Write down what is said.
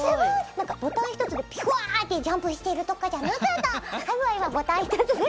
なんかボタン１つでプワーッてジャンプしてるとかじゃなかった！